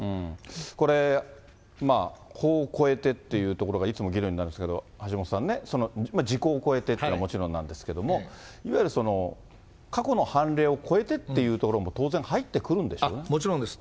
これ、法を超えてっていうところが、いつも議論になるんですけれども、橋下さんね、時効を超えてというのはもちろんなんですけれども、いわゆる過去の判例を超えてっていうところも、当然入ってくるんもちろんです。